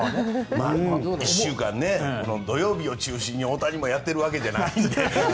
まあ土曜日を中心に大谷もやっているわけじゃないので。